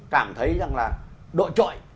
cảm thấy rằng là đội trội